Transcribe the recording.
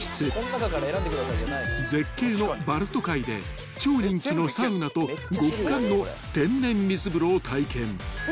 ［絶景のバルト海で超人気のサウナと極寒の天然水風呂を体験］